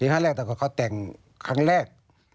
ครั้งแรกแต่เขาแต่งครั้งแรก